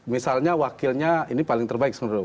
misalnya wakilnya ini paling terbaik sengeluar dulu